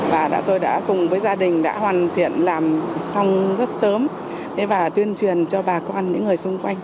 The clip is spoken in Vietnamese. và tôi đã cùng với gia đình đã hoàn thiện làm xong rất sớm và tuyên truyền cho bà con những người xung quanh